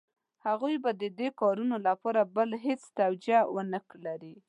هغوی به د دې کارونو لپاره بله هېڅ توجیه ونه لري.